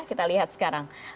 kita lihat sekarang